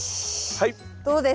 はい。